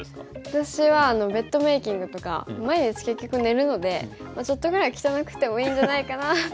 私はベッドメーキングとか毎日結局寝るのでちょっとぐらい汚くてもいいんじゃないかなっていうのは。